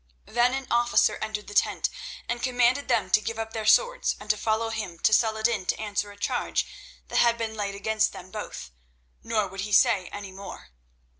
Then an officer entered the tent, and commanded them to give up their swords and to follow him to Saladin to answer a charge that had been laid against them both, nor would he say any more.